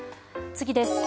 次です。